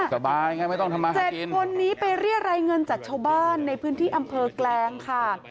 เจ็ดคนนี้ไปเรียกรายเงินจากชาวบ้านในพื้นที่อำเภอกแกลงค่ะ